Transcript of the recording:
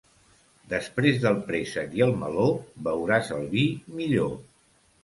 Després del préssec i el meló beuràs el vi millor.